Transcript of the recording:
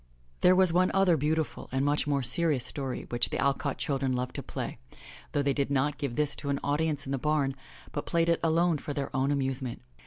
14 THE LATCH KEY There was one other beautiful and much more serious story which the Alcott children loved to play, though they did not give this to an audience in the bam, but played it alone for their own amusement.